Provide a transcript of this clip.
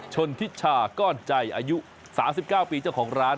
ชนทิชาก้อนใจอายุ๓๙ปีเจ้าของร้าน